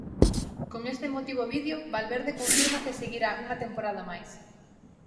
Con este emotivo vídeo, Valverde confirma que seguirá unha temporada máis.